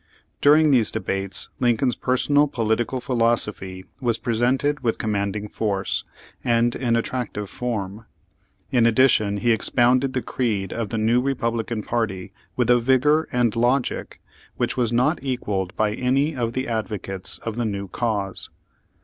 During these debates Lincoln's personal po litical philosophy was presented with command ing force, and in attractive form. In addition, he expounded the creed of the new Republican party with a vigor and logic which was not equalled by any of the advocates of the new cause.